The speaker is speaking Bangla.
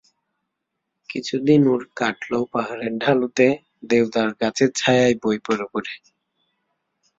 কিছুদিন ওর কাটল পাহাড়ের ঢালুতে দেওদার গাছের ছায়ায় বই পড়ে পড়ে।